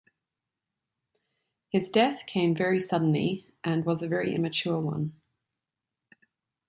His death came very suddenly and was a very immature one.